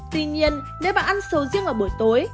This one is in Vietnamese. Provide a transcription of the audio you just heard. tuy nhiên nếu bạn ăn sầu riêng vào buổi tối